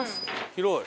「広い！」